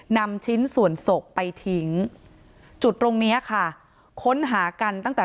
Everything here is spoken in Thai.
นำชิ้นส่วนศพไปทิ้งจุดตรงเนี้ยค่ะค้นหากันตั้งแต่